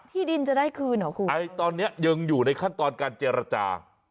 ที่ดินจะได้คืนเหรอคุณไอ้ตอนนี้ยังอยู่ในขั้นตอนการเจรจา